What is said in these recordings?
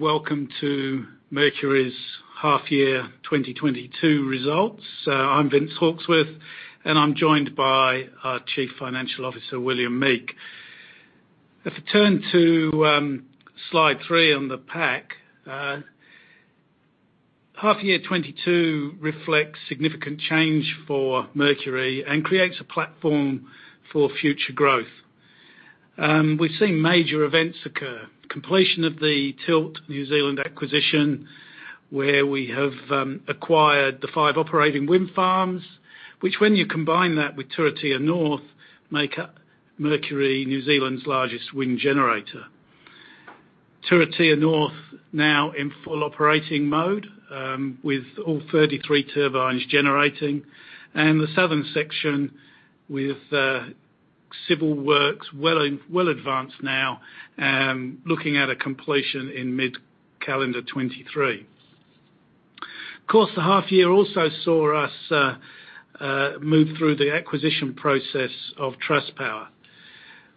Welcome to Mercury's half year 2022 results. I'm Vince Hawksworth, and I'm joined by our Chief Financial Officer, William Meek. If we turn to slide three on the pack, half year 2022 reflects significant change for Mercury and creates a platform for future growth. We've seen major events occur. Completion of the Tilt New Zealand acquisition, where we have acquired the five operating wind farms, which when you combine that with Turitea North, make up Mercury New Zealand's largest wind generator. Turitea North now in full operating mode, with all 33 turbines generating, and the southern section with civil works well advanced now, looking at a completion in mid-calendar 2023. Of course, the half year also saw us move through the acquisition process of Trustpower.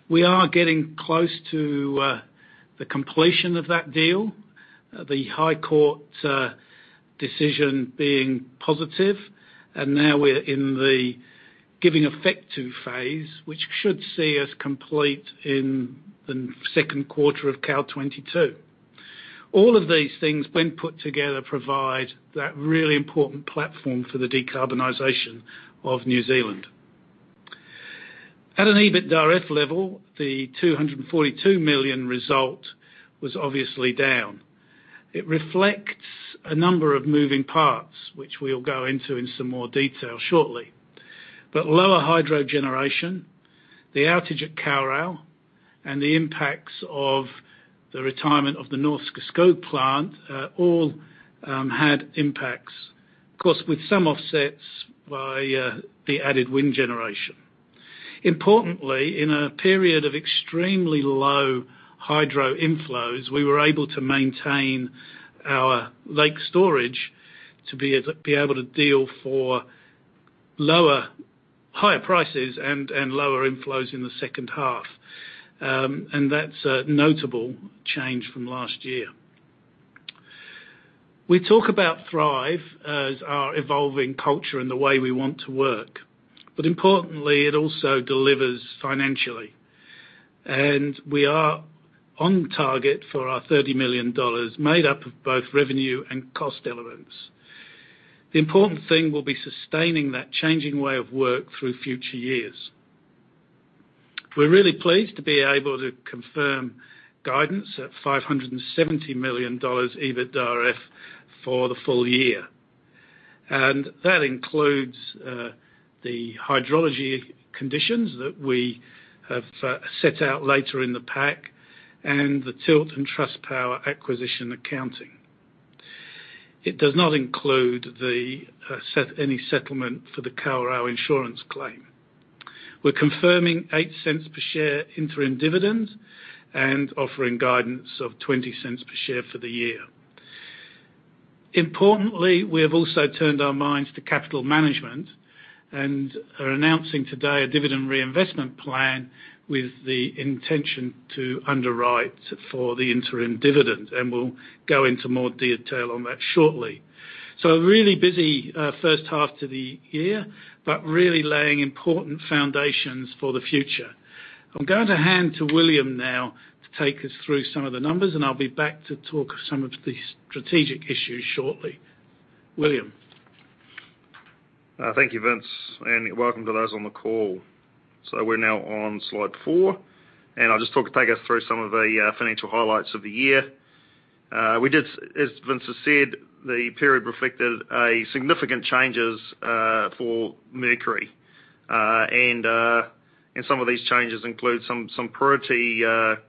We are getting close to the completion of that deal, the High Court's decision being positive and now we're in the giving effect to phase, which should see us complete in the second quarter of 2022. All of these things when put together provide that really important platform for the decarbonization of New Zealand. At an EBITDAF level, the 242 million result was obviously down. It reflects a number of moving parts, which we'll go into in some more detail shortly. Lower hydro generation, the outage at Kawerau, and the impacts of the retirement of the Norske Skog plant, all had impacts. Of course, with some offsets by the added wind generation. Importantly, in a period of extremely low hydro inflows, we were able to maintain our lake storage to be able to deal with higher prices and lower inflows in the second half. That's a notable change from last year. We talk about Thrive as our evolving culture and the way we want to work, but importantly, it also delivers financially. We are on target for our 30 million dollars made up of both revenue and cost elements. The important thing will be sustaining that changing way of work through future years. We're really pleased to be able to confirm guidance at 570 million dollars EBITDAF for the full year. That includes the hydrology conditions that we have set out later in the pack and the Tilt and Trustpower acquisition accounting. It does not include any settlement for the Kawerau insurance claim. We're confirming 0.08 per share interim dividend and offering guidance of 0.20 per share for the year. Importantly, we have also turned our minds to capital management and are announcing today a dividend reinvestment plan with the intention to underwrite for the interim dividend. We'll go into more detail on that shortly. A really busy first half to the year, but really laying important foundations for the future. I'm going to hand to William now to take us through some of the numbers, and I'll be back to talk some of the strategic issues shortly. William. Thank you, Vince, and welcome to those on the call. We're now on slide four, and I'll just talk, take us through some of the financial highlights of the year. We did, as Vince has said, the period reflected a significant changes for Mercury. And some of these changes include some pretty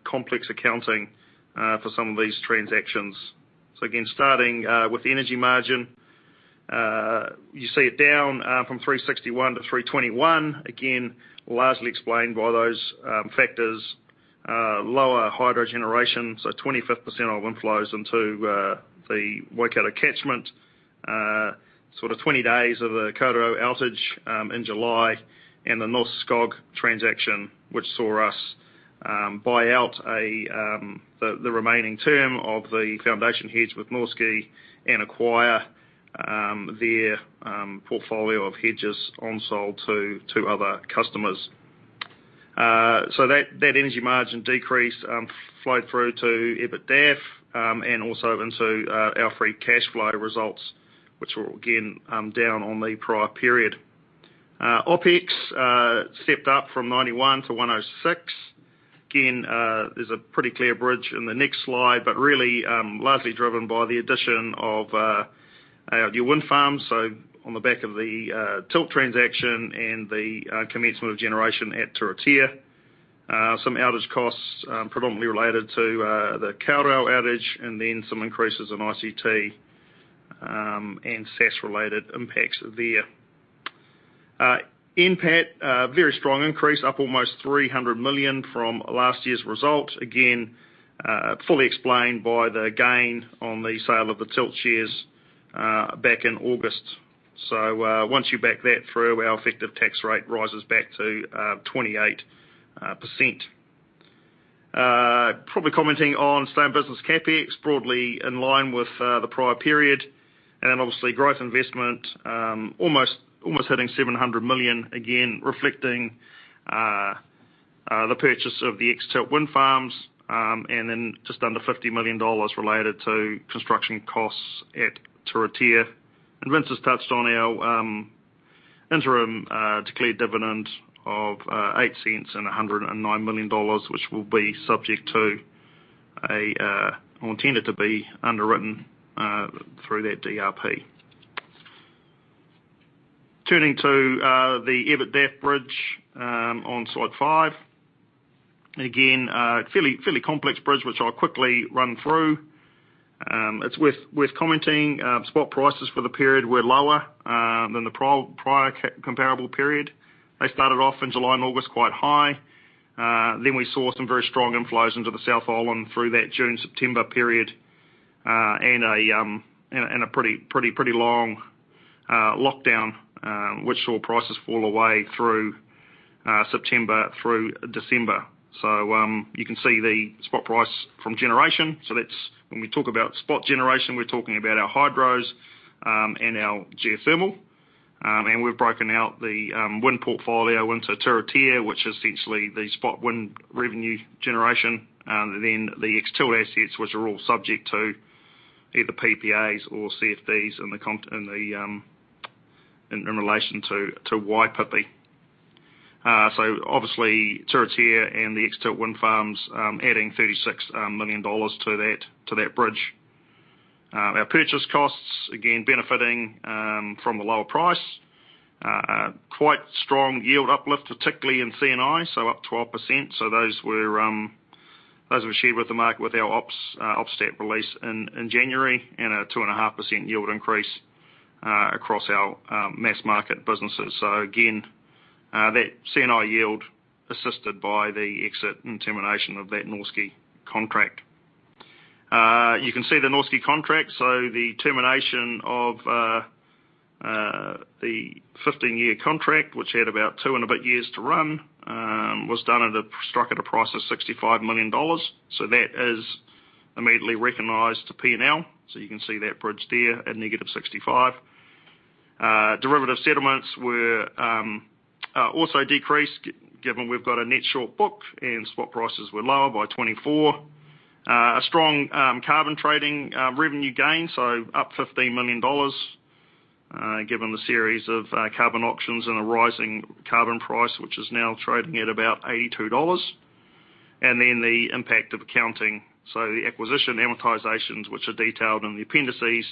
complex accounting for some of these transactions. Again, starting with the energy margin, you see it down from 361 to 321, again, largely explained by those factors, lower hydro generation, 25th percentile inflows into the Waikato catchment. Sort of 20 days of the Kawerau outage in July and the Norske transaction which saw us buy out the remaining term of the foundation hedge with Norske and acquire their portfolio of hedges on-sold to other customers. That energy margin decrease flowed through to EBITDAF and also into our free cash flow results, which were again down on the prior period. OpEx stepped up from 91-106. There's a pretty clear bridge in the next slide, but really largely driven by the addition of our new wind farm on the back of the Tilt transaction and the commencement of generation at Turitea. Some outage costs, predominantly related to the Kawerau outage and then some increases in ICT and SaaS related impacts there. NPAT, a very strong increase, up almost 300 million from last year's result. Again, fully explained by the gain on the sale of the Tilt shares back in August. Once you back that through, our effective tax rate rises back to 28%. Probably commenting on same business CapEx, broadly in line with the prior period. Obviously growth investment almost hitting 700 million, again, reflecting the purchase of the ex-Tilt wind farms and then just under 50 million dollars related to construction costs at Turitea. Vince's touched on our interim declared dividend of 0.8 And 109 million dollars, which will be intended to be underwritten through that DRP. Turning to the EBITDAF bridge on slide five. Again, fairly complex bridge, which I'll quickly run through. It's worth commenting spot prices for the period were lower than the prior comparable period. They started off in July and August quite high. Then we saw some very strong inflows into the South Island through that June-September period and a pretty long lockdown, which saw prices fall away through September through December. You can see the spot price from generation. That's when we talk about spot generation, we're talking about our hydros and our geothermal. We've broken out the wind portfolio into Turitea, which is essentially the spot wind revenue generation. Then the ex-Tilt assets, which are all subject to either PPAs or CFDs in relation to Waipipi. Obviously Turitea and the ex-Tilt wind farms adding 36 million dollars to that bridge. Our purchase costs, again, benefiting from the lower price. Quite strong yield uplift, particularly in C&I, up 12%. Those were shared with the market with our op stats release in January. A 2.5% yield increase across our mass market businesses. Again, that C&I yield assisted by the exit and termination of that Norske contract. You can see the Norske contract. The termination of the 15-year contract, which had about two and a bit years to run, was struck at a price of 65 million dollars. That is immediately recognized to P&L. You can see that bridge there at negative 65 million. Derivative settlements were also decreased, given we've got a net short book, and spot prices were lower by 24 million. A strong carbon trading revenue gain, up 15 million dollars, given the series of carbon auctions and a rising carbon price, which is now trading at about 82 dollars. The impact of accounting. The acquisition amortizations, which are detailed in the appendices,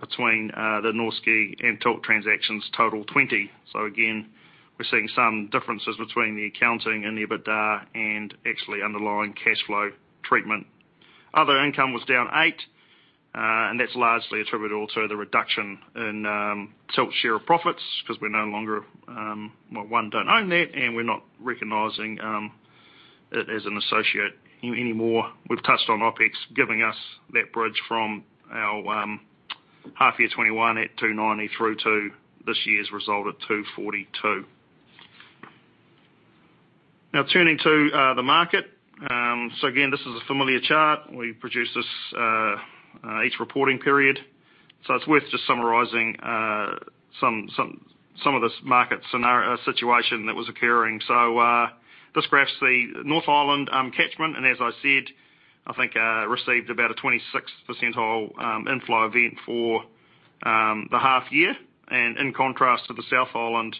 between the Norske and Tilt transactions, total 20 million. Again, we're seeing some differences between the accounting and the EBITDA and actually underlying cashflow treatment. Other income was down 8 million, and that's largely attributable to the reduction in Tilt share of profits, 'cause we're no longer, well, one, don't own that, and we're not recognizing it as an associate anymore. We've touched on OpEx giving us that bridge from our half year 2021 at 290 million through to this year's result at 242 million. Now turning to the market. Again, this is a familiar chart. We produce this each reporting period. It's worth just summarizing some of the market situation that was occurring. This graphs the North Island catchment, and as I said, I think received about a 26th percentile inflow event for the half year. In contrast to the South Island,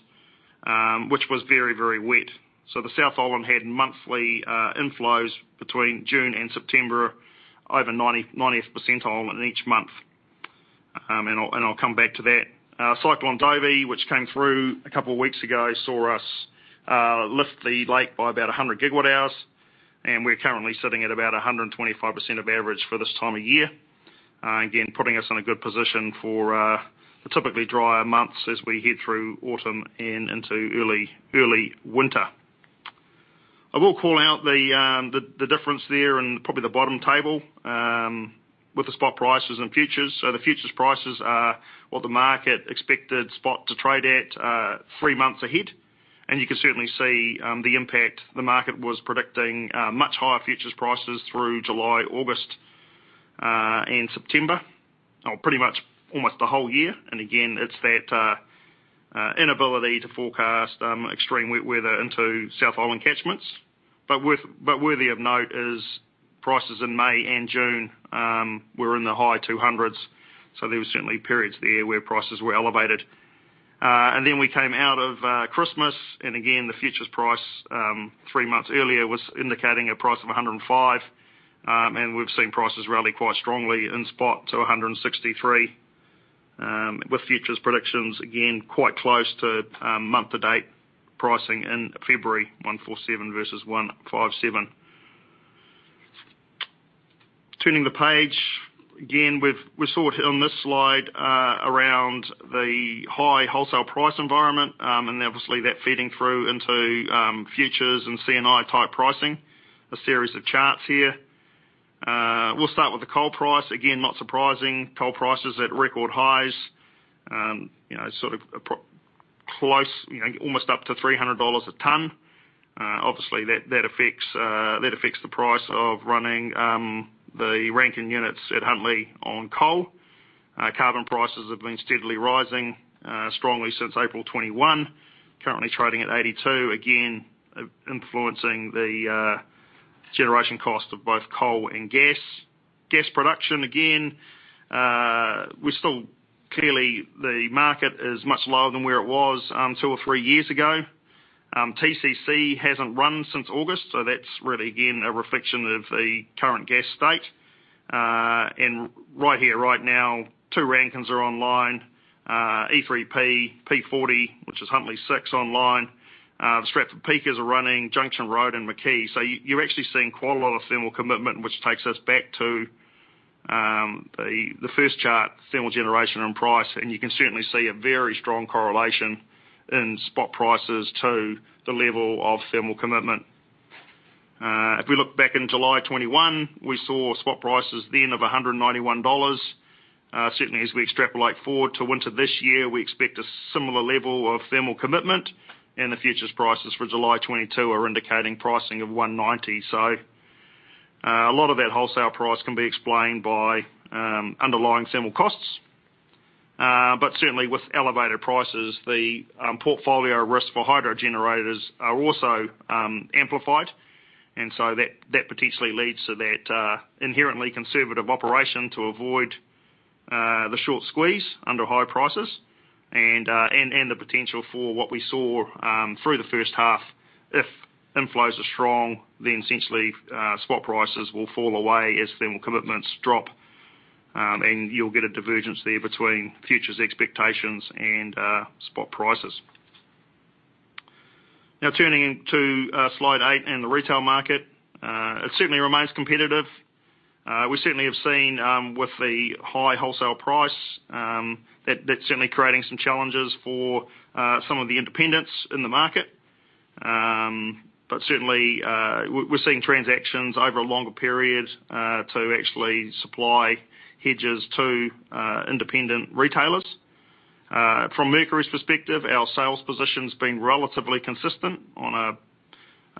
which was very, very wet. The South Island had monthly inflows between June and September over 90th percentile in each month. I'll come back to that. Cyclone Dovi, which came through a couple of weeks ago, saw us lift the lake by about 100 GWh, and we're currently sitting at about 125% of average for this time of year. Again, putting us in a good position for the typically drier months as we head through autumn and into early winter. I will call out the difference there and probably the bottom table with the spot prices and futures. The futures prices are what the market expected spot to trade at three months ahead. You can certainly see the impact. The market was predicting much higher futures prices through July, August, and September. Oh, pretty much almost the whole year. Again, it's that inability to forecast extreme weather into South Island catchments. Worthy of note is prices in May and June were in the high 200s, so there was certainly periods there where prices were elevated. Then we came out of Christmas, and again, the futures price three months earlier was indicating a price of 105. We've seen prices rally quite strongly in spot to 163, with futures predictions, again, quite close to month to date pricing in February, 147 versus 157. Turning the page. Again, we've reported on this slide, around the high wholesale price environment, and obviously that feeding through into futures and C&I type pricing. A series of charts here. We'll start with the coal price. Again, not surprising, coal price is at record highs, you know, sort of close, you know, almost up to 300 dollars a ton. Obviously, that affects the price of running the Rankines at Huntly on coal. Carbon prices have been steadily rising strongly since April 2021, currently trading at 82, again, influencing the generation cost of both coal and gas. Gas production, again, clearly, the market is much lower than where it was, two or three years ago. TCC hasn't run since August, so that's really, again, a reflection of the current gas state. And right here, right now, two Rankines are online, E3P, P40, which is Huntly six online, the Stratford Peak is running, Junction Road and McKee. So you're actually seeing quite a lot of thermal commitment, which takes us back to the first chart, thermal generation and price. You can certainly see a very strong correlation in spot prices to the level of thermal commitment. If we look back in July 2021, we saw spot prices then of 191 dollars. Certainly as we extrapolate forward to winter this year, we expect a similar level of thermal commitment, and the futures prices for July 2022 are indicating pricing of 190. A lot of that wholesale price can be explained by underlying thermal costs. Certainly with elevated prices, the portfolio risk for hydro generators are also amplified. That potentially leads to that inherently conservative operation to avoid the short squeeze under high prices and the potential for what we saw through the first half. If inflows are strong, essentially spot prices will fall away as thermal commitments drop, and you'll get a divergence there between futures expectations and spot prices. Now turning to slide eight in the retail market, it certainly remains competitive. We certainly have seen with the high wholesale price that that's certainly creating some challenges for some of the independents in the market. We're seeing transactions over a longer period to actually supply hedges to independent retailers. From Mercury's perspective, our sales position's been relatively consistent on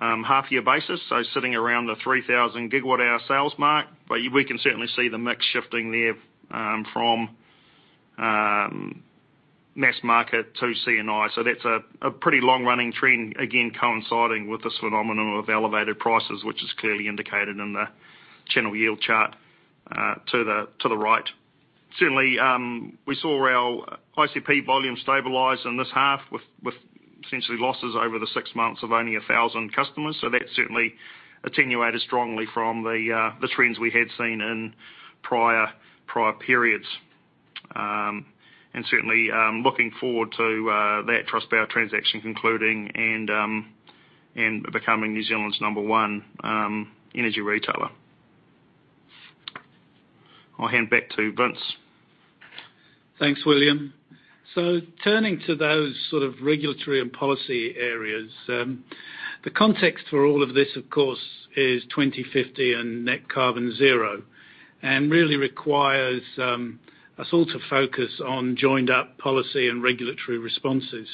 a half-year basis, so sitting around the 3,000 GWh sales mark. We can certainly see the mix shifting there from mass market to C&I. That's a pretty long-running trend, again, coinciding with this phenomenon of elevated prices, which is clearly indicated in the general yield chart to the right. We saw our ICP volume stabilize in this half with essentially losses over the six months of only 1,000 customers. That certainly attenuated strongly from the trends we had seen in prior periods. Certainly looking forward to that Trustpower transaction concluding and becoming New Zealand's number one energy retailer. I'll hand back to Vince. Thanks, William. Turning to those sort of regulatory and policy areas, the context for all of this, of course, is 2050 and net carbon zero, and really requires a sort of focus on joined up policy and regulatory responses.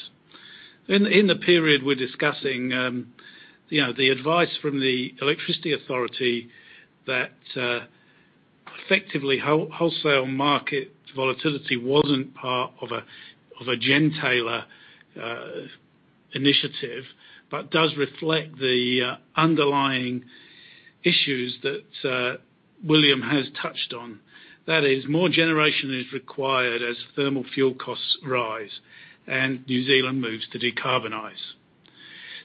In the period we're discussing, you know, the advice from the Electricity Authority that effectively wholesale market volatility wasn't part of a gentailer initiative, but does reflect the underlying issues that William has touched on. That is, more generation is required as thermal fuel costs rise and New Zealand moves to decarbonize.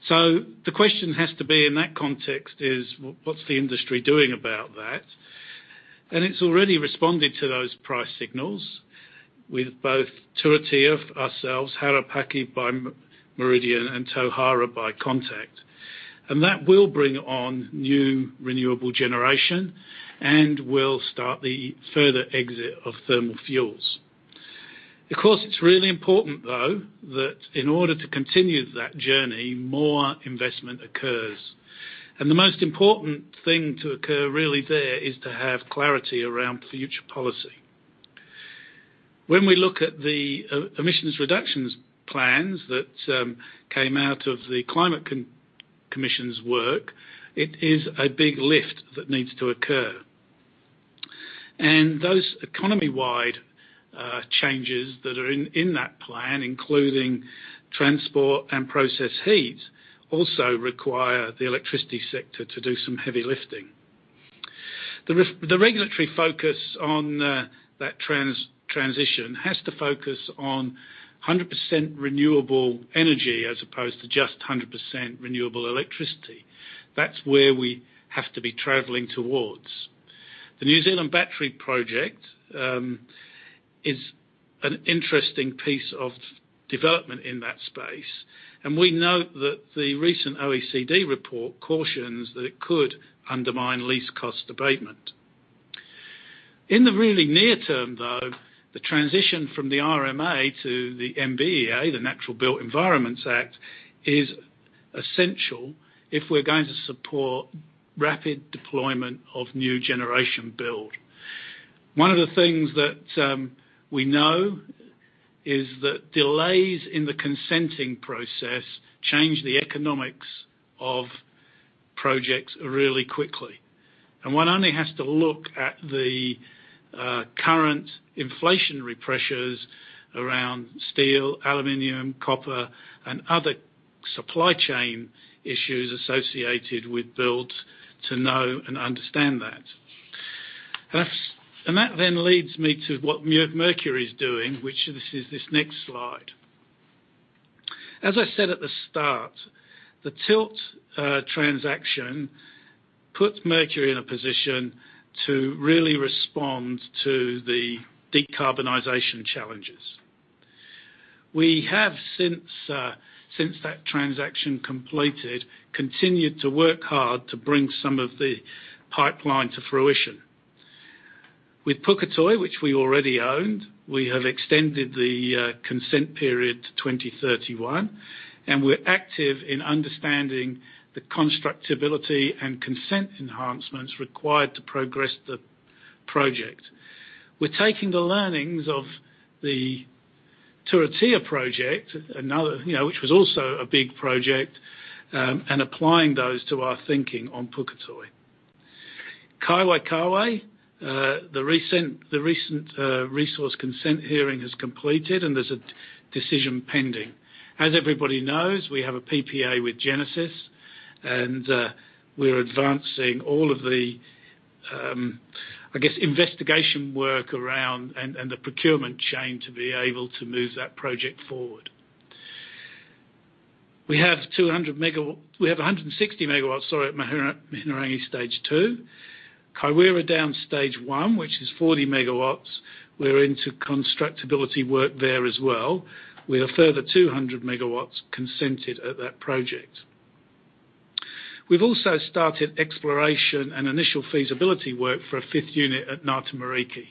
The question has to be in that context is, what's the industry doing about that? It's already responded to those price signals with both Turitea, ourselves, Harapaki by Meridian, and Tauhara by Contact. That will bring on new renewable generation and will start the further exit of thermal fuels. Of course, it's really important, though, that in order to continue that journey, more investment occurs. The most important thing to occur really there is to have clarity around future policy. When we look at the emissions reductions plans that came out of the Climate Change Commission's work, it is a big lift that needs to occur. Those economy-wide changes that are in that plan, including transport and process heat, also require the electricity sector to do some heavy lifting. The regulatory focus on that transition has to focus on 100% renewable energy as opposed to just 100% renewable electricity. That's where we have to be traveling towards. The New Zealand Battery project is an interesting piece of development in that space, and we note that the recent OECD report cautions that it could undermine least cost abatement. In the really near term though, the transition from the RMA to the NBA, the Natural and Built Environment Act, is essential if we're going to support rapid deployment of new generation build. One of the things that we know is that delays in the consenting process change the economics of projects really quickly. One only has to look at the current inflationary pressures around steel, aluminum, copper, and other supply chain issues associated with builds to know and understand that. That then leads me to what Mercury is doing, which is this next slide. As I said at the start, the Tilt transaction puts Mercury in a position to really respond to the decarbonization challenges. We have, since that transaction completed, continued to work hard to bring some of the pipeline to fruition. With Puketoi, which we already owned, we have extended the consent period to 2031, and we're active in understanding the constructability and consent enhancements required to progress the project. We're taking the learnings of the Turitea project, another, you know, which was also a big project, and applying those to our thinking on Puketoi. Kaiwaikawe, the recent resource consent hearing has completed, and there's a decision pending. As everybody knows, we have a PPA with Genesis, and we're advancing all of the, I guess, investigation work around and the procurement chain to be able to move that project forward. We have 160 MW, sorry, at Mahinerangi Stage 2. Kaiwera Downs Stage 1, which is 40 MW, we're into constructability work there as well. We have a further 200 MW consented at that project. We've also started exploration and initial feasibility work for a fifth unit at Ngā Tamariki.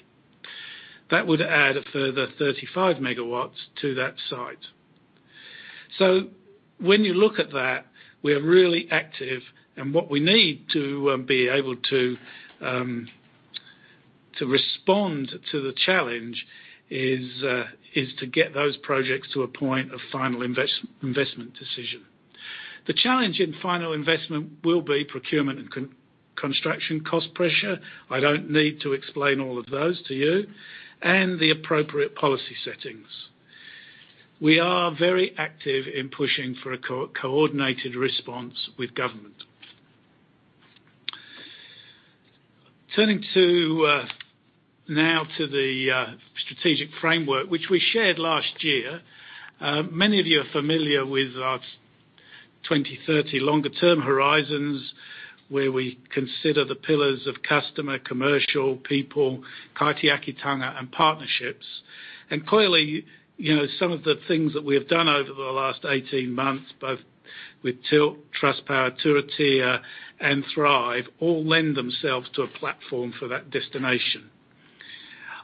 That would add a further 35 MW to that site. When you look at that, we're really active. What we need to be able to respond to the challenge is to get those projects to a point of final investment decision. The challenge in final investment will be procurement and construction cost pressure. I don't need to explain all of those to you, and the appropriate policy settings. We are very active in pushing for a coordinated response with government. Turning to now to the strategic framework, which we shared last year. Many of you are familiar with our 2030 longer-term horizons, where we consider the pillars of customer, commercial, people, Kaitiakitanga, and partnerships. Clearly, you know, some of the things that we have done over the last 18 months, both with Tilt, Trustpower, Turitea, and Thrive, all lend themselves to a platform for that destination.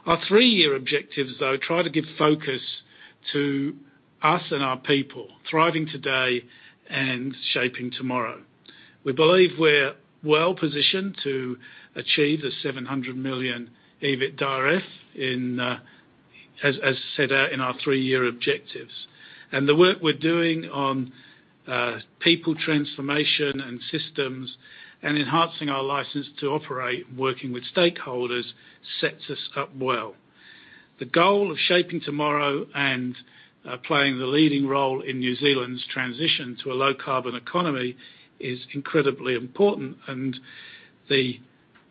Our three-year objectives, though, try to give focus to us and our people thriving today and shaping tomorrow. We believe we're well-positioned to achieve the 700 million EBITDAF, as set out in our three-year objectives. The work we're doing on people transformation and systems and enhancing our license to operate, working with stakeholders sets us up well. The goal of shaping tomorrow and playing the leading role in New Zealand's transition to a low-carbon economy is incredibly important. The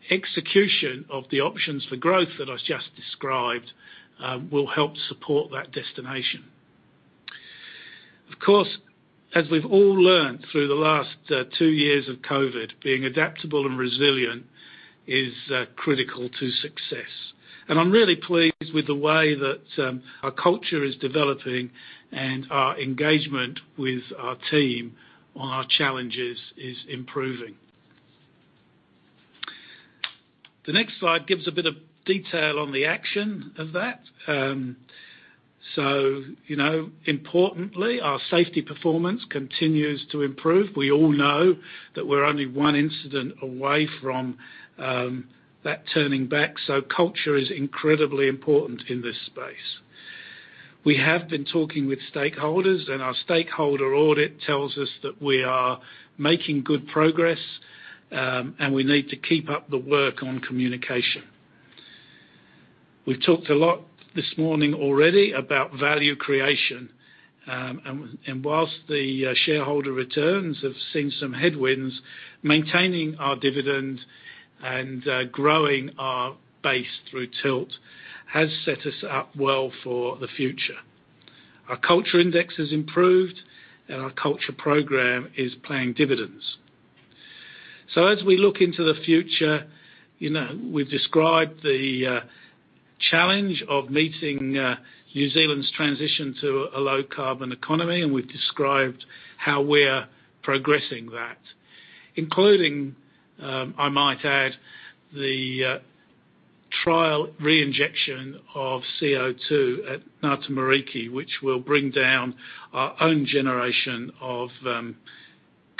execution of the options for growth that I just described will help support that destination. Of course, as we've all learned through the last two years of COVID, being adaptable and resilient is critical to success. I'm really pleased with the way that our culture is developing and our engagement with our team on our challenges is improving. The next slide gives a bit of detail on the action of that. You know, importantly, our safety performance continues to improve. We all know that we're only one incident away from that turning back, so culture is incredibly important in this space. We have been talking with stakeholders, and our stakeholder audit tells us that we are making good progress, and we need to keep up the work on communication. We've talked a lot this morning already about value creation. Whilst the shareholder returns have seen some headwinds, maintaining our dividend and growing our base through Tilt has set us up well for the future. Our culture index has improved, and our culture program is paying dividends. As we look into the future, you know, we've described the challenge of meeting New Zealand's transition to a low carbon economy, and we've described how we're progressing that. Including, I might add, the trial reinjection of CO2 at Ngā Tamariki, which will bring down our own generation of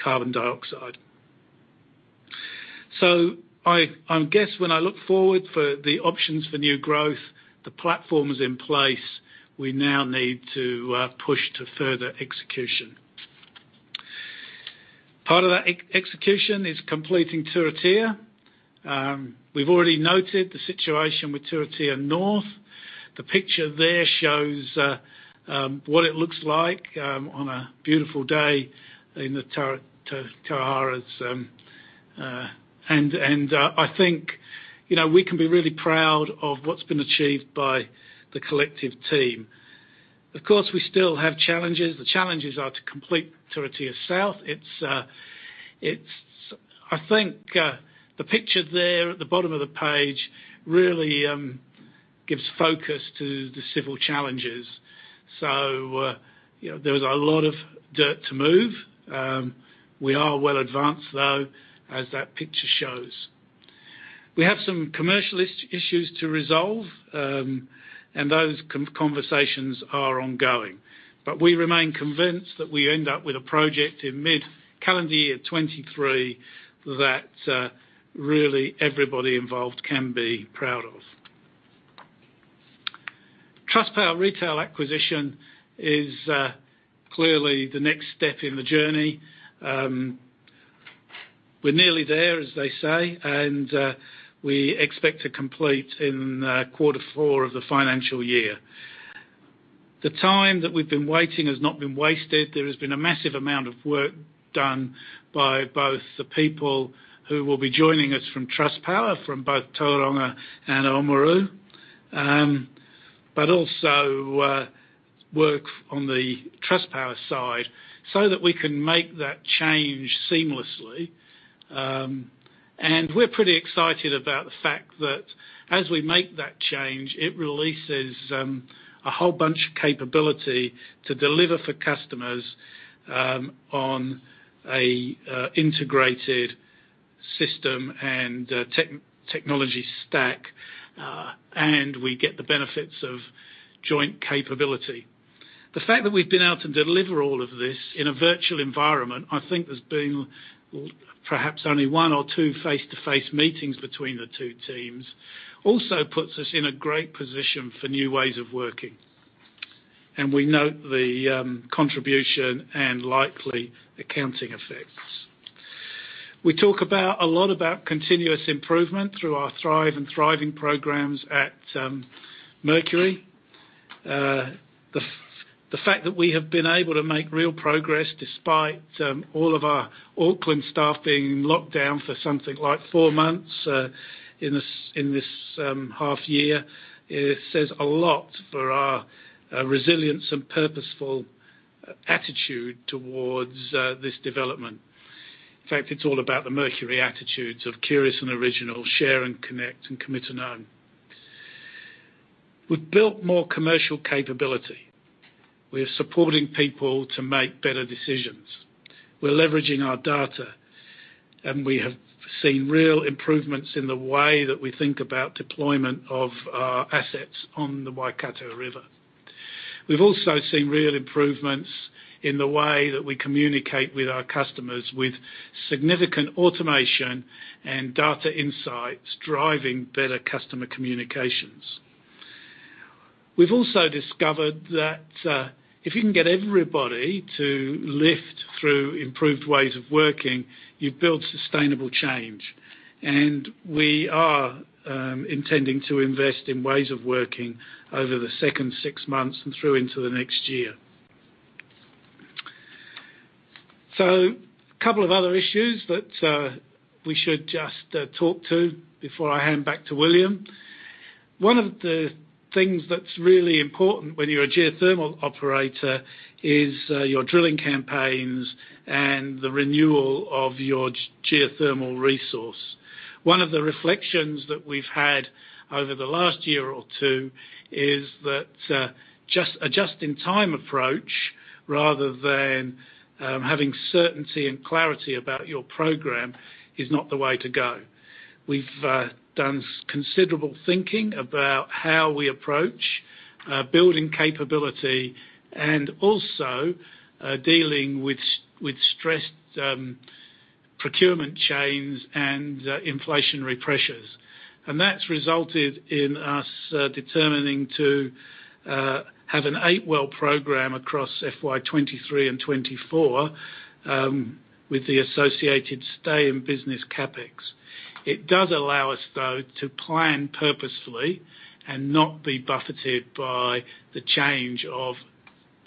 carbon dioxide. I guess when I look forward for the options for new growth, the platform is in place, we now need to push to further execution. Part of that execution is completing Turitea. We've already noted the situation with Turitea North. The picture there shows what it looks like on a beautiful day in the Tararuas. I think, you know, we can be really proud of what's been achieved by the collective team. Of course, we still have challenges. The challenges are to complete Turitea South. I think the picture there at the bottom of the page really gives focus to the civil challenges. You know, there was a lot of dirt to move. We are well advanced, though, as that picture shows. We have some commercial issues to resolve, and those conversations are ongoing. We remain convinced that we end up with a project in mid-calendar year 2023 that really everybody involved can be proud of. Trustpower retail acquisition is clearly the next step in the journey. We're nearly there, as they say, and we expect to complete in quarter four of the financial year. The time that we've been waiting has not been wasted. There has been a massive amount of work done by both the people who will be joining us from Trustpower, from both Tauranga and Oamaru, but also work on the Trustpower side so that we can make that change seamlessly. We're pretty excited about the fact that as we make that change, it releases a whole bunch of capability to deliver for customers on a integrated system and technology stack, and we get the benefits of joint capability. The fact that we've been able to deliver all of this in a virtual environment, I think there's been perhaps only one or two face-to-face meetings between the two teams, also puts us in a great position for new ways of working. We note the contribution and likely accounting effects. We talk a lot about continuous improvement through our Thrive and thriving programs at Mercury. The fact that we have been able to make real progress despite all of our Auckland staff being locked down for something like four months in this half year, it says a lot for our resilience and purposeful attitude towards this development. In fact, it's all about the Mercury attitudes of curious and original, share and connect, and commit and own. We've built more commercial capability. We are supporting people to make better decisions. We're leveraging our data, and we have seen real improvements in the way that we think about deployment of our assets on the Waikato River. We've also seen real improvements in the way that we communicate with our customers with significant automation and data insights driving better customer communications. We've also discovered that, if you can get everybody to lift through improved ways of working, you build sustainable change. We are intending to invest in ways of working over the second six months and through into the next year. A couple of other issues that we should just talk to before I hand back to William. One of the things that's really important when you're a geothermal operator is your drilling campaigns and the renewal of your geothermal resource. One of the reflections that we've had over the last year or two is that a just-in-time approach rather than having certainty and clarity about your program is not the way to go. We've done considerable thinking about how we approach building capability and also dealing with stressed procurement chains and inflationary pressures. That's resulted in us determining to have an eight-well program across FY 2023 and 2024, with the associated stay in business CapEx. It does allow us, though, to plan purposefully and not be buffeted by the change of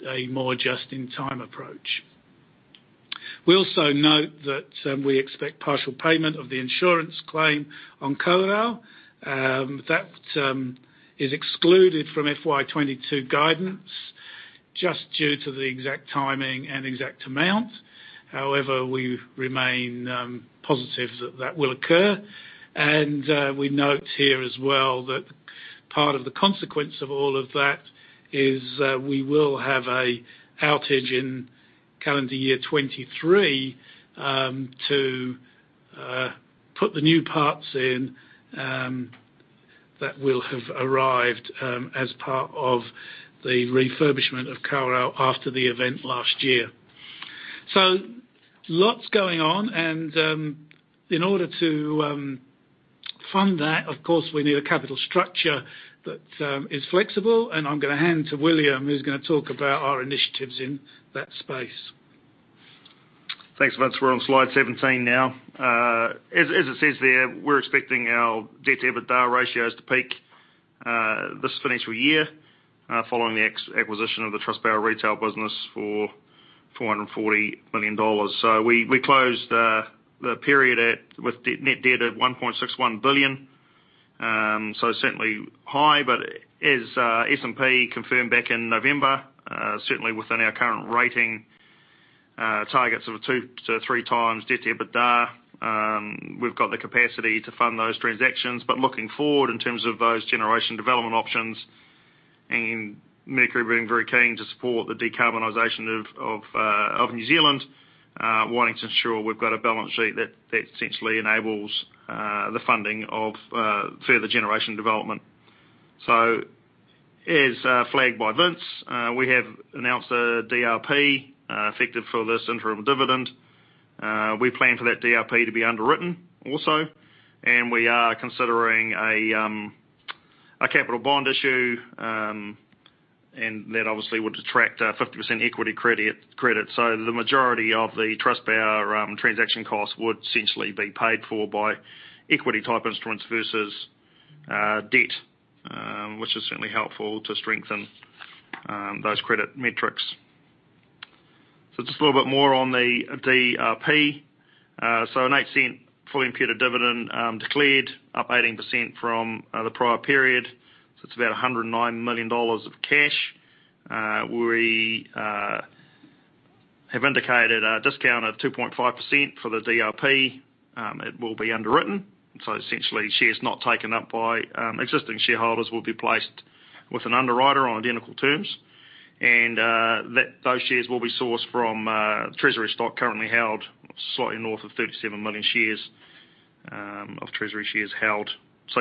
a more just-in-time approach. We also note that we expect partial payment of the insurance claim on Kawerau. That is excluded from FY 2022 guidance just due to the exact timing and exact amount. However, we remain positive that that will occur. We note here as well that part of the consequence of all of that is that we will have an outage in calendar year 2023 to put the new parts in that will have arrived as part of the refurbishment of Kawerau after the event last year. Lots going on and in order to fund that, of course, we need a capital structure that is flexible. I'm gonna hand to William, who's gonna talk about our initiatives in that space. Thanks, Vince. We're on slide 17 now. As it says there, we're expecting our debt to EBITDA ratios to peak this financial year following the acquisition of the Trustpower retail business for 440 million dollars. We closed the period at with net debt at 1.61 billion. Certainly high, but as S&P confirmed back in November, certainly within our current rating targets of 2x-3x debt to EBITDA. We've got the capacity to fund those transactions. Looking forward in terms of those generation development options and Mercury being very keen to support the decarbonization of New Zealand, wanting to ensure we've got a balance sheet that essentially enables the funding of further generation development. As flagged by Vince, we have announced a DRP effective for this interim dividend. We plan for that DRP to be underwritten also, and we are considering a capital bond issue, and that obviously would attract a 50% equity credit. Just a little bit more on the DRP. An 0.8 fully imputed dividend declared, up 18% from the prior period. It's about 109 million dollars of cash. We have indicated a discount of 2.5% for the DRP. It will be underwritten, so essentially shares not taken up by existing shareholders will be placed with an underwriter on identical terms. Those shares will be sourced from treasury stock currently held slightly north of 37 million treasury shares.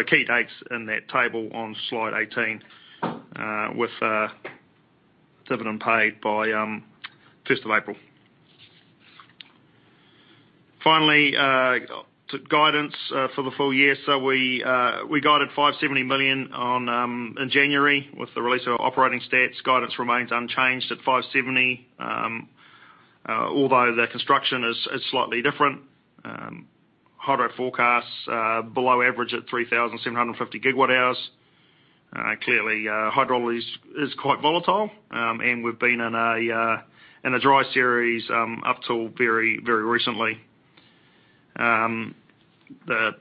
Key dates in that table on slide 18, with dividend paid by 5th of April. Finally, to guidance for the full year. We guided 570 million in January with the release of our operating stats. Guidance remains unchanged at 570 million, although the construction is slightly different. Hydro forecasts below average at 3,750 GWh. Clearly, hydrology is quite volatile, and we've been in a dry series up till very recently. The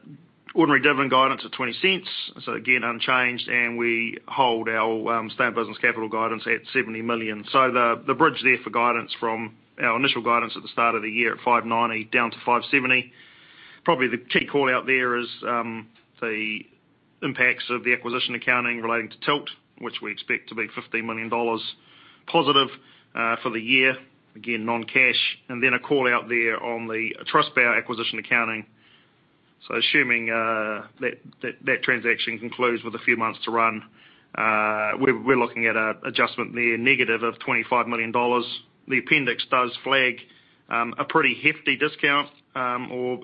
ordinary dividend guidance of NZD 0.20, again unchanged, and we hold our state business capital guidance at 70 million. The bridge there for guidance from our initial guidance at the start of the year at 590 down to 570. Probably the key callout there is the impacts of the acquisition accounting relating to Tilt, which we expect to be 15 million dollars positive for the year, again, non-cash. Then a callout there on the Trustpower acquisition accounting. Assuming that transaction concludes with a few months to run, we're looking at an adjustment there negative of 25 million dollars. The appendix does flag a pretty hefty discount or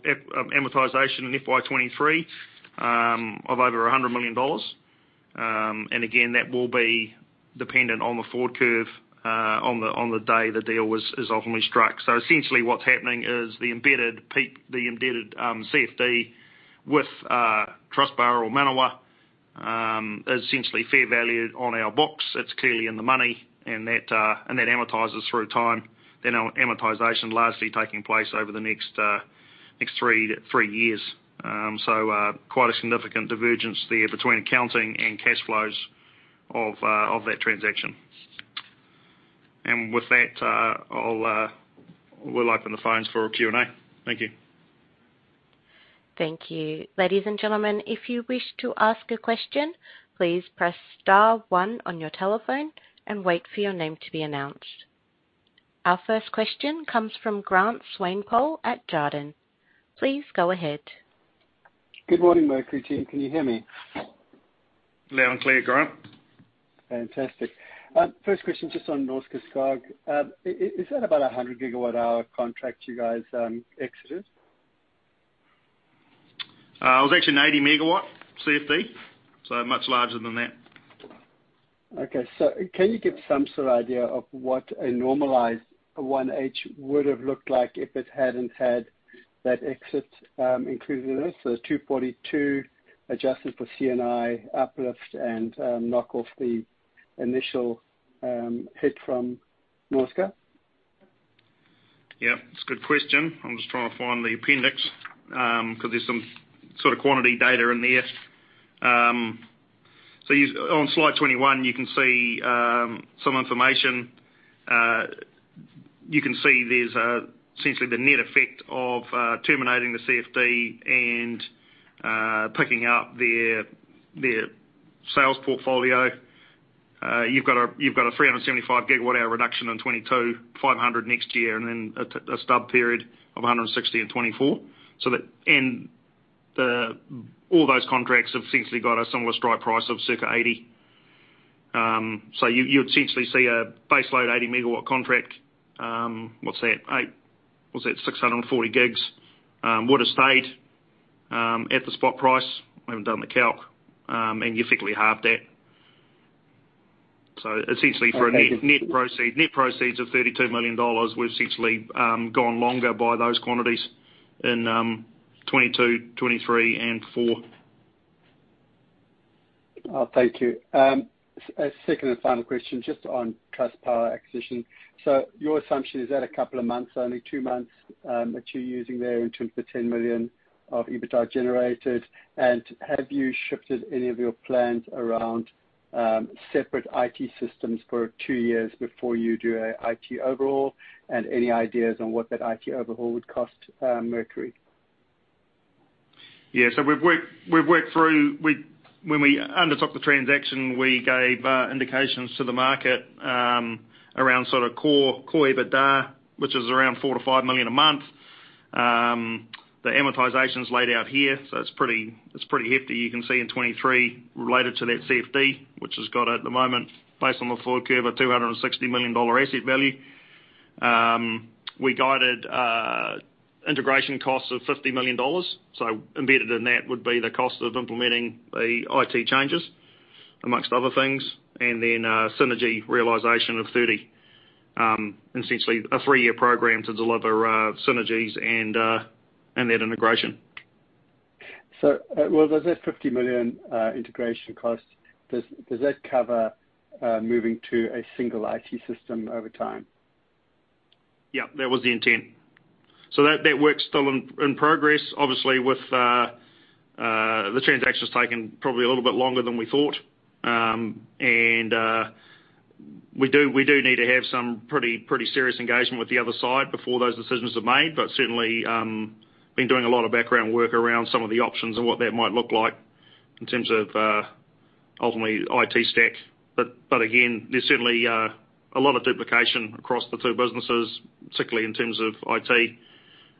amortization in FY 2023 of over 100 million dollars. Again, that will be dependent on the forward curve on the day the deal is ultimately struck. Essentially what's happening is the embedded CFD with Trustpower or Manawa is essentially fair valued on our books. It's clearly in the money, and that amortizes through time. Our amortization is largely taking place over the next two to three years. Quite a significant divergence there between accounting and cash flows of that transaction. With that, we'll open the phones for a Q&A. Thank you. Thank you. Ladies and gentlemen, if you wish to ask a question, please press star one on your telephone and wait for your name to be announced. Our first question comes from Grant Swanepoel at Jarden. Please go ahead. Good morning, Mercury team. Can you hear me? Loud and clear, Grant. Fantastic. First question, just on Norske Skog. Is that about 100 GWh contract you guys exited? It was actually an 80 MW CFD, so much larger than that. Okay. Can you give some sort of idea of what a normalized 1H would have looked like if it hadn't had that exit included in it? 242 adjusted for C&I uplift and knock off the initial hit from Norske? Yeah, it's a good question. I'm just trying to find the appendix, 'cause there's some sort of quantity data in there. On slide 21, you can see some information. You can see there's essentially the net effect of terminating the CFD and picking up their sales portfolio. You've got a 375 GWh reduction in 2022, 500 next year, and then a stub period of 160 in 2024. All those contracts have essentially got a similar strike price of circa 80. You essentially see a baseload 80 MW contract, what's that? 640 GWh would've stayed at the spot price. I haven't done the calc. You effectively halved that. Essentially for net proceeds of 32 million dollars, we've essentially gone longer by those quantities in 2022, 2023, and 2024. Oh, thank you. Second and final question, just on Trustpower acquisition. Your assumption, is that a couple of months, only two months, that you're using there in terms of the 10 million of EBITDA generated? Have you shifted any of your plans around, separate IT systems for two years before you do an IT overhaul? Any ideas on what that IT overhaul would cost, Mercury? When we undertook the transaction, we gave indications to the market around sort of core EBITDA, which is around 4 million-5 million a month. The amortization's laid out here, so it's pretty hefty. You can see in 2023 related to that CFD, which has got at the moment, based on the forward curve, a 260 million dollar asset value. We guided integration costs of 50 million dollars. Embedded in that would be the cost of implementing the IT changes, among other things. Then a synergy realization of 30 million, essentially a three-year program to deliver synergies and that integration. Well, does that 50 million integration cost cover moving to a single IT system over time? Yeah, that was the intent. That work's still in progress. Obviously, with the transaction's taken probably a little bit longer than we thought. We do need to have some pretty serious engagement with the other side before those decisions are made. Certainly, we've been doing a lot of background work around some of the options and what that might look like in terms of ultimately IT stack. Again, there's certainly a lot of duplication across the two businesses, particularly in terms of IT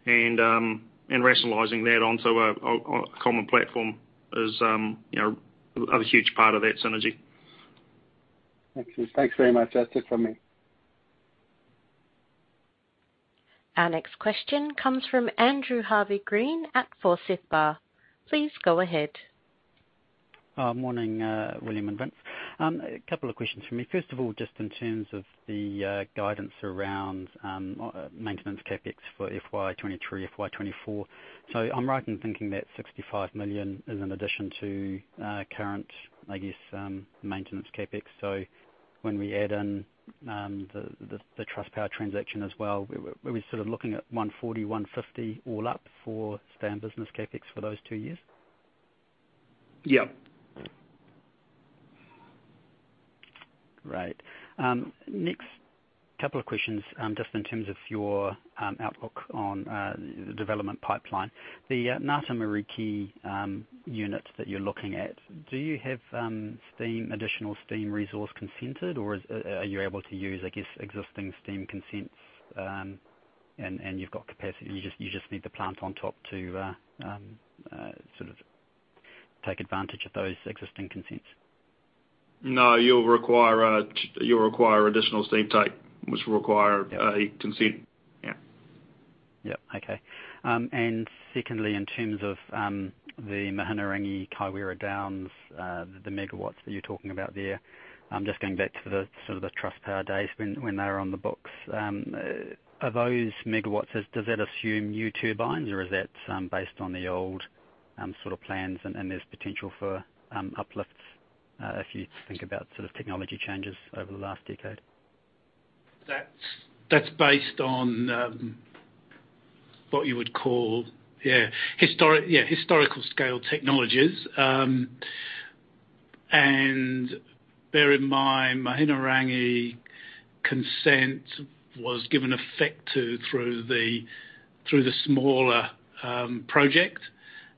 and rationalizing that onto a common platform is, you know, a huge part of that synergy. Thank you. Thanks very much. That's it from me. Our next question comes from Andrew Harvey-Green at Forsyth Barr. Please go ahead. Morning, William and Vince. A couple of questions from me. First of all, just in terms of the guidance around maintenance CapEx for FY 2023, FY 2024. I'm right in thinking that 65 million is an addition to current, I guess, maintenance CapEx. When we add in the Trustpower transaction as well, we're sort of looking at 140-150 all up for standard business CapEx for those two years? Yeah. Great. Next couple of questions, just in terms of your outlook on the development pipeline. The Ngā Tamariki units that you're looking at, do you have additional steam resource consented? Or are you able to use, I guess, existing steam consents, and you've got capacity, you just need the plant on top to sort of take advantage of those existing consents? No. You'll require additional steam type, which will require. Yeah. A consent. Yeah. Yeah. Okay. Secondly, in terms of the Mahinarangi/Kaiwera Downs, the megawatts that you're talking about there, I'm just going back to the sort of Trustpower days when they were on the books. Of those megawatts, does that assume new turbines or is that based on the old sort of plans and there's potential for uplifts if you think about sort of technology changes over the last decade? That's based on what you would call historical scale technologies. Bear in mind, Mahinarangi consent was given effect to through the smaller project.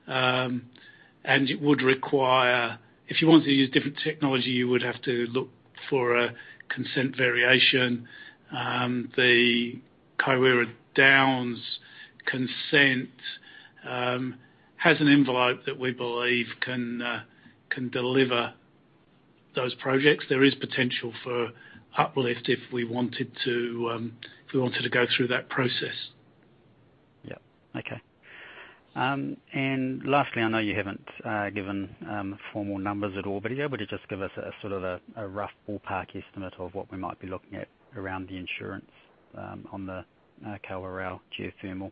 It would require. If you want to use different technology, you would have to look for a consent variation. The Kaiwera Downs consent has an envelope that we believe can deliver those projects. There is potential for uplift if we wanted to go through that process. Yeah. Okay. Lastly, I know you haven't given formal numbers at all, but are you able to just give us a sort of a rough ballpark estimate of what we might be looking at around the insurance on the Kawerau geothermal?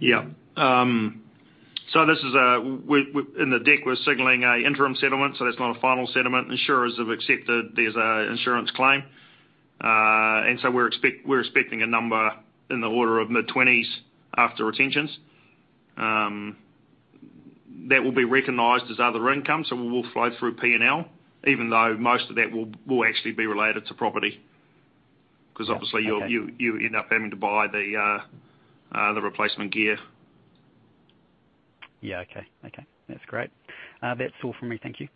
Yeah. This is in the deck, we're signaling an interim settlement, so that's not a final settlement. Insurers have accepted there's an insurance claim. We're expecting a number in the order of NZD mid-20s after retentions, that will be recognized as other income, so we'll flow through P&L, even though most of that will actually be related to property. Yeah. Okay. 'Cause obviously you'll end up having to buy the replacement gear. Yeah. Okay. Okay. That's great. That's all from me. Thank you.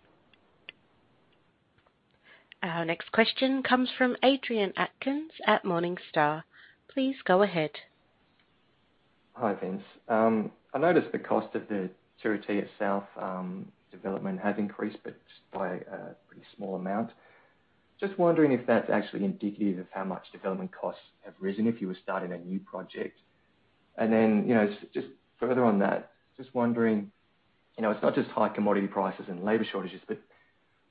Our next question comes from Adrian Atkins at Morningstar. Please go ahead. Hi, Vince. I noticed the cost of the Turitea South development has increased, but by a pretty small amount. Just wondering if that's actually indicative of how much development costs have risen if you were starting a new project? You know, just wondering, you know, it's not just high commodity prices and labor shortages, but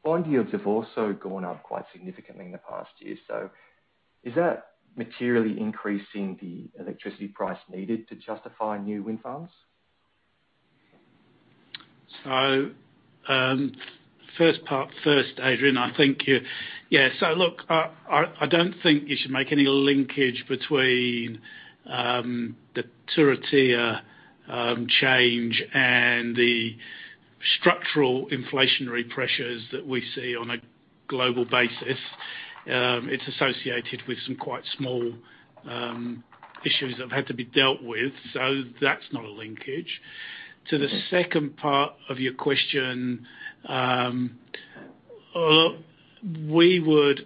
bond yields have also gone up quite significantly in the past year. Is that materially increasing the electricity price needed to justify new wind farms? First part first, Adrian. Look, I don't think you should make any linkage between the Turitea change and the structural inflationary pressures that we see on a global basis. It's associated with some quite small issues that have had to be dealt with. That's not a linkage. Okay. To the second part of your question, we would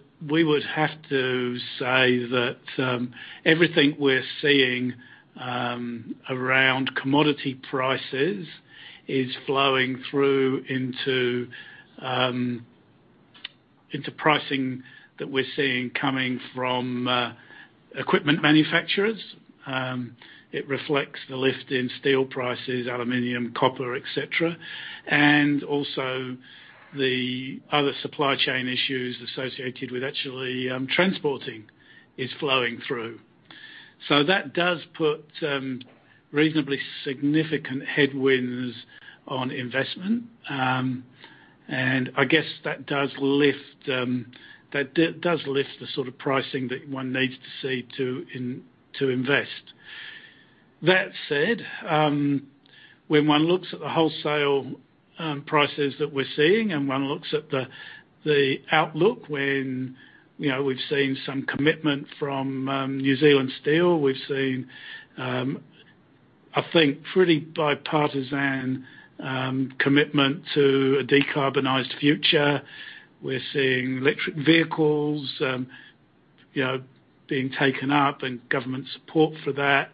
have to say that everything we're seeing around commodity prices is flowing through into pricing that we're seeing coming from equipment manufacturers. It reflects the lift in steel prices, aluminum, copper, et cetera. Also the other supply chain issues associated with actually transporting is flowing through. That does put reasonably significant headwinds on investment. I guess that does lift the sort of pricing that one needs to see to invest. That said, when one looks at the wholesale prices that we're seeing and one looks at the outlook when, you know, we've seen some commitment from New Zealand Steel, we've seen I think pretty bipartisan commitment to a decarbonized future. We're seeing electric vehicles, you know, being taken up and government support for that.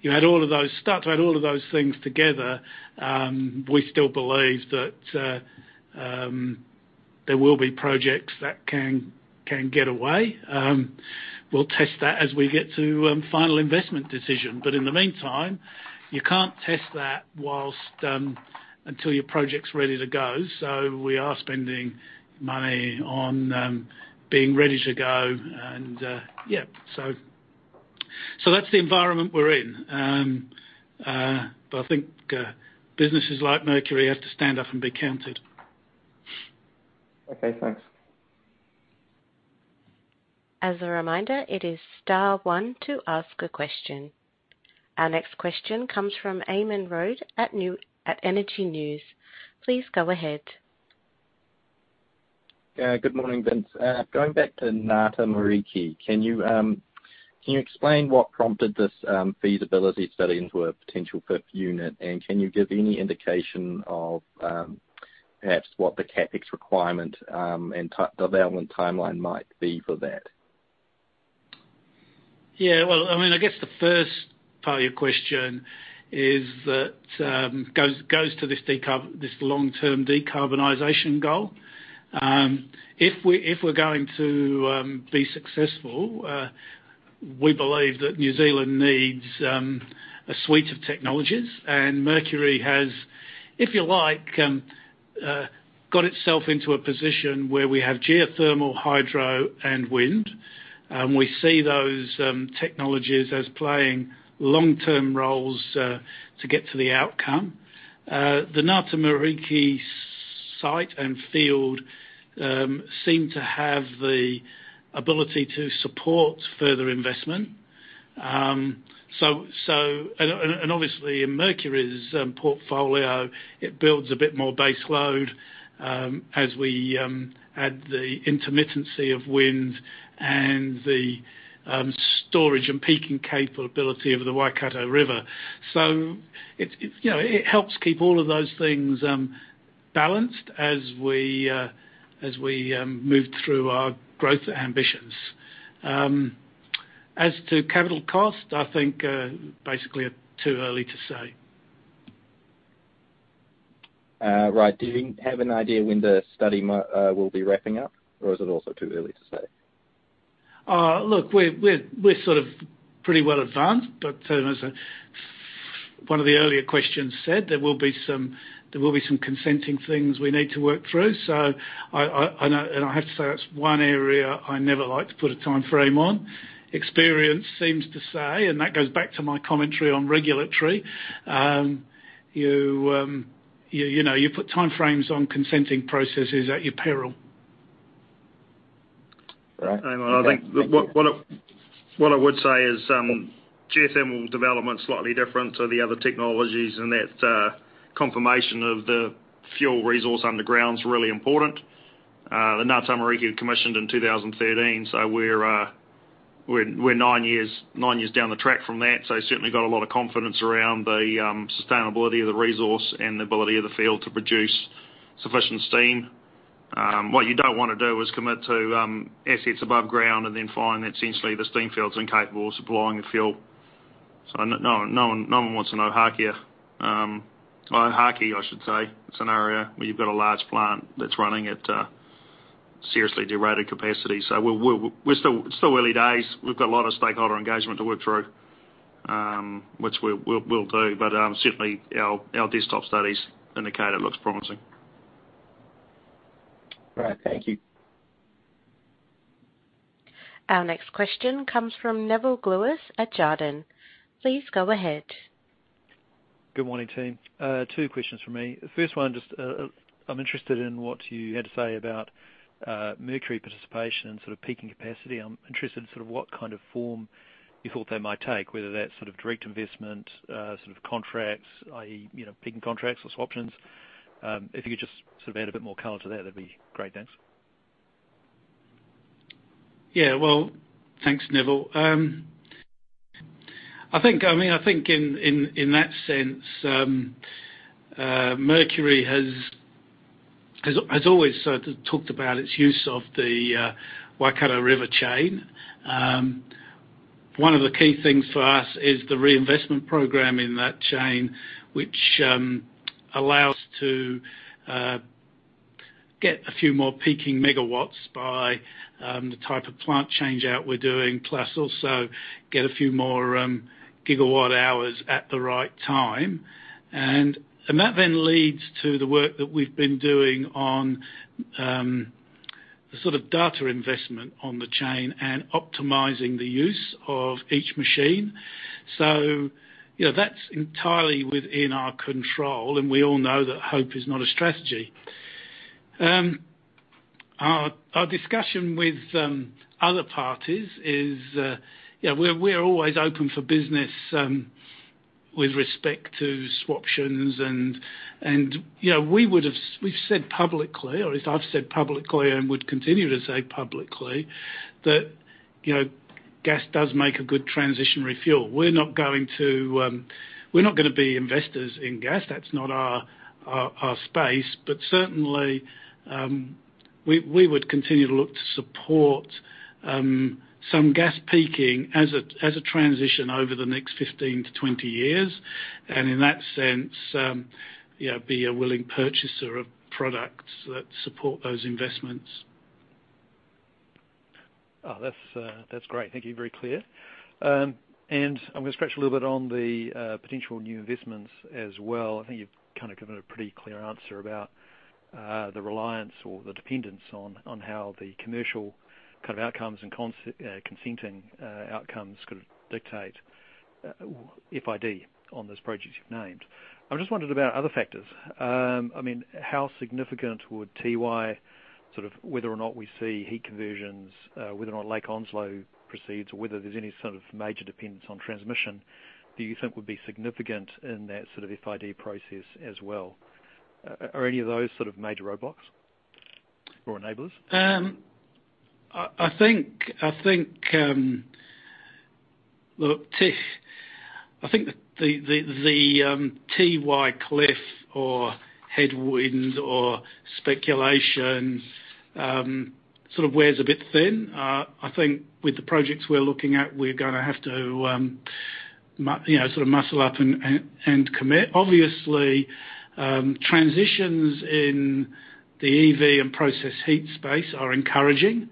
You add all of those stuff, add all of those things together, we still believe that there will be projects that can get away. We'll test that as we get to final investment decision. In the meantime, you can't test that until your project's ready to go. We are spending money on being ready to go and yeah. That's the environment we're in. I think businesses like Mercury have to stand up and be counted. Okay, thanks. As a reminder, it is star one to ask a question. Our next question comes from Eamon Rood at Energy News. Please go ahead. Good morning, Vince. Going back to Ngā Tamariki, can you explain what prompted this feasibility study into a potential fifth unit? Can you give any indication of perhaps what the CapEx requirement and development timeline might be for that? Yeah. Well, I mean, I guess the first part of your question is that goes to this long-term decarbonization goal. If we're going to be successful, we believe that New Zealand needs a suite of technologies. Mercury has, if you like, got itself into a position where we have geothermal, hydro, and wind. We see those technologies as playing long-term roles to get to the outcome. The Ngā Tamariki site and field seem to have the ability to support further investment. Obviously in Mercury's portfolio, it builds a bit more base load as we add the intermittency of wind and the storage and peaking capability of the Waikato River. It's you know, it helps keep all of those things balanced as we move through our growth ambitions. As to capital cost, I think basically too early to say. Right. Do you have an idea when the study will be wrapping up, or is it also too early to say? Look, we're sort of pretty well advanced, but as one of the earlier questions said, there will be some consenting things we need to work through. I know, and I have to say that's one area I never like to put a timeframe on. Experience seems to say, and that goes back to my commentary on regulatory, you know, you put time frames on consenting processes at your peril. Right. I think what I would say is, geothermal development is slightly different to the other technologies, and that confirmation of the fuel resource underground is really important. The Ngā Tamariki commissioned in 2013, so we're nine years down the track from that. Certainly got a lot of confidence around the sustainability of the resource and the ability of the field to produce sufficient steam. What you don't want to do is commit to assets above ground and then find that essentially the steam field is incapable of supplying the fuel. No one wants an Ōhākī or Ōhākī scenario where you've got a large plant that's running at seriously derated capacity. We're still early days. We've got a lot of stakeholder engagement to work through, which we'll do. Certainly our desktop studies indicate it looks promising. Great. Thank you. Our next question comes from Nevill Gluyas at Jarden. Please go ahead. Good morning, team. Two questions from me. First one, just, I'm interested in what you had to say about Mercury participation and sort of peaking capacity. I'm interested in sort of what kind of form you thought they might take, whether that's sort of direct investment, sort of contracts, i.e., you know, peaking contracts or swaptions. If you could just sort of add a bit more color to that'd be great. Thanks. Yeah. Well, thanks, Neville. I think, I mean, I think in that sense, Mercury has always sort of talked about its use of the Waikato River chain. One of the key things for us is the reinvestment program in that chain, which allows to get a few more peaking megawatts by the type of plant change-out we're doing, plus also get a few more gigawatt hours at the right time. And that then leads to the work that we've been doing on the sort of data investment on the chain and optimizing the use of each machine. You know, that's entirely within our control, and we all know that hope is not a strategy. Our discussion with other parties is, you know, we're always open for business with respect to swaptions and, you know, we've said publicly, or at least I've said publicly and would continue to say publicly that, you know, gas does make a good transitional fuel. We're not gonna be investors in gas. That's not our space. Certainly, we would continue to look to support some gas peaking as a transition over the next 15-20 years. In that sense, you know, be a willing purchaser of products that support those investments. That's great. Thank you. Very clear. I'm gonna stretch a little bit on the potential new investments as well. I think you've kinda given a pretty clear answer about the reliance or the dependence on how the commercial kind of outcomes and consenting outcomes could dictate FID on those projects you've named. I just wondered about other factors. I mean, how significant would Tiwai, sort of whether or not we see heat conversions, whether or not Lake Onslow proceeds, or whether there's any sort of major dependence on transmission do you think would be significant in that sort of FID process as well. Are any of those sort of major roadblocks or enablers? I think look, I think the Tiwai cliff or headwinds or speculation sort of wears a bit thin. I think with the projects we're looking at, we're gonna have to you know, sort of muscle up and commit. Obviously, transitions in the EV and process heat space are encouraging.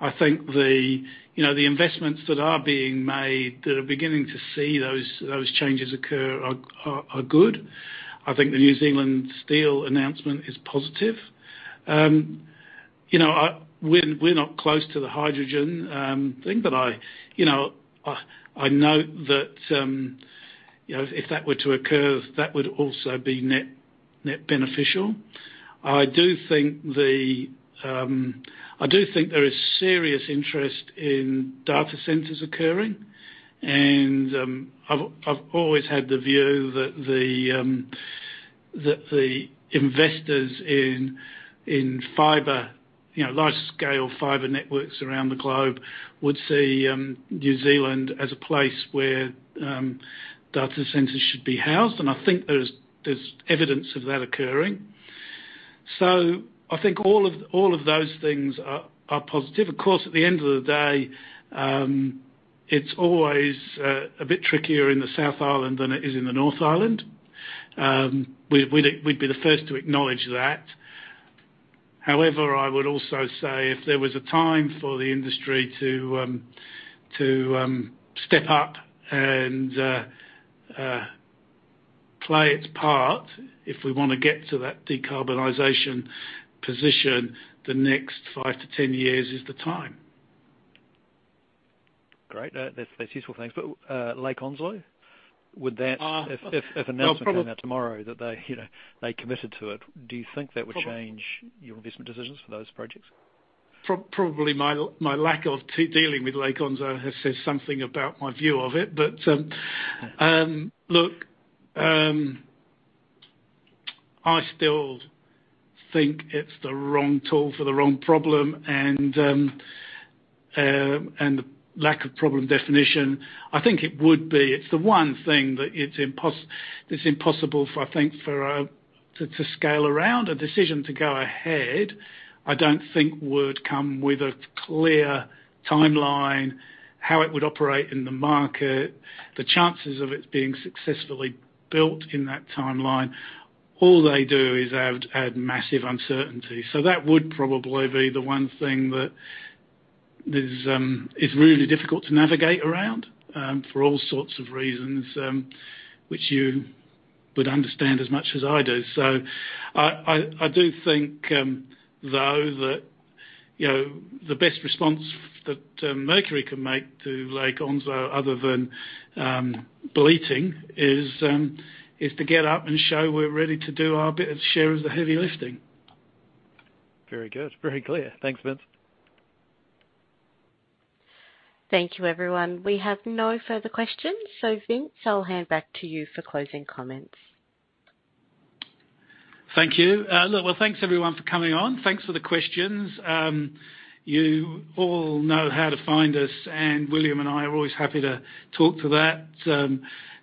I think you know, the investments that are being made that are beginning to see those changes occur are good. I think the New Zealand Steel announcement is positive. You know, we're not close to the hydrogen thing, but you know, I note that you know, if that were to occur, that would also be net beneficial. I do think there is serious interest in data centers occurring, and I've always had the view that the investors in fiber, you know, larger scale fiber networks around the globe would see New Zealand as a place where data centers should be housed. I think there's evidence of that occurring. I think all of those things are positive. Of course, at the end of the day, it's always a bit trickier in the South Island than it is in the North Island. We'd be the first to acknowledge that. However, I would also say if there was a time for the industry to step up and play its part, if we wanna get to that decarbonization position, the next five to 10 years is the time. Great. That's useful things. Lake Onslow, would that- No, probably. If announcement came out tomorrow that they, you know, they committed to it, do you think that would change? Probably. Your investment decisions for those projects? Probably my lack of dealing with Lake Onslow has said something about my view of it. Look, I still think it's the wrong tool for the wrong problem and the lack of problem definition. I think it would be. It's the one thing that it's impossible for, I think, to scale around. A decision to go ahead, I don't think would come with a clear timeline, how it would operate in the market, the chances of it being successfully built in that timeline. All they do is add massive uncertainty. That would probably be the one thing that is really difficult to navigate around, for all sorts of reasons, which you would understand as much as I do. I do think, though, that, you know, the best response that Mercury can make to Lake Onslow other than bleating is to get up and show we're ready to do our bit and share the heavy lifting. Very good. Very clear. Thanks, Vince. Thank you, everyone. We have no further questions. Vince, I'll hand back to you for closing comments. Thank you. Look, well, thanks, everyone, for coming on. Thanks for the questions. You all know how to find us, and William and I are always happy to talk to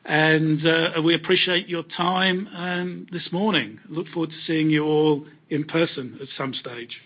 you. We appreciate your time this morning. Look forward to seeing you all in person at some stage.